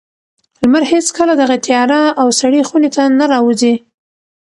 لمر هېڅکله دغې تیاره او سړې خونې ته نه راوځي.